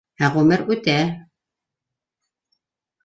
Ә ғүмер үтә